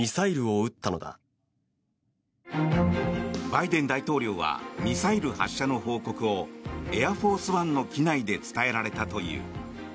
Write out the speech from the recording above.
バイデン大統領はミサイル発射の報告をエアフォース・ワンの機内で伝えられたという。